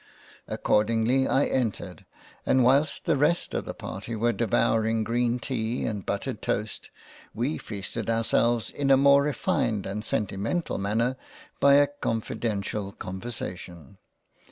Accordingly I entered and whilst the rest of the party were devouring green tea and buttered toast, we feasted ourselves in a more refined and sentimental Manner by a confidential Conversation.